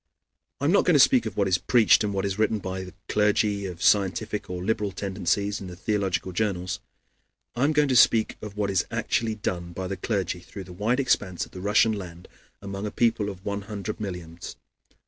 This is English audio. I am not going to speak of what is preached and what is written by clergy of scientific or liberal tendencies in the theological journals. I am going to speak of what is actually done by the clergy through the wide expanse of the Russian land among a people of one hundred millions.